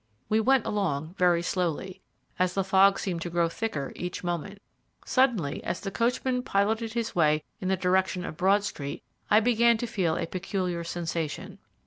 We went along very slowly, as the fog seemed to grow thicker each moment. Suddenly as the coachman piloted his way in the direction of Broad Street I began to feel a peculiar sensation.